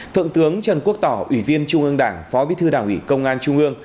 thượng tướng trần quốc tỏ ủy viên trung ương đảng phó bí thư đảng ủy công an trung ương